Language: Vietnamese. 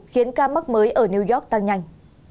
những ca mắc mới ở new york tăng nhanh